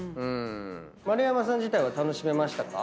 丸山さん自体は楽しめましたか？